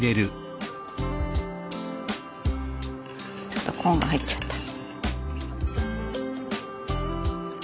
ちょっとコーンが入っちゃった。